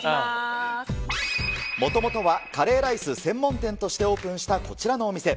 もともとはカレーライス専門店としてオープンした、こちらのお店。